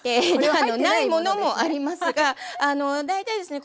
ないものもありますが大体ですね